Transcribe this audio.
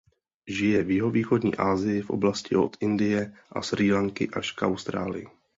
Žije v jihovýchodní Asii v oblasti od Indie a Srí Lanky až k Austrálii.